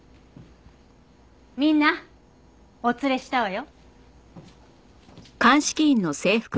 みんなお連れしたわよ。